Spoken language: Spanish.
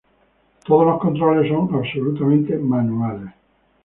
Todos los controles son absolutamente manuales.